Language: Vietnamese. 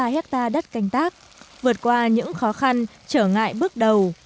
ba hectare đất canh tác vượt qua những khó khăn trở ngại bước đầu